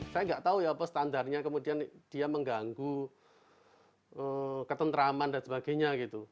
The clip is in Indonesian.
saya nggak tahu ya apa standarnya kemudian dia mengganggu ketentraman dan sebagainya gitu